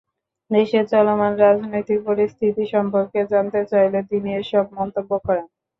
দেশের চলমান রাজনৈতিক পরিস্থিতি সম্পর্কে জানতে চাইলে তিনি এসব মন্তব্য করেন।